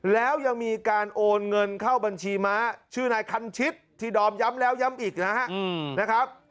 แล้วยังมีการโอนเงินเข้าบัญชีม้าชื่อนายคันชิตที่ดอมย้ำแล้วย้ำอีกนะครับ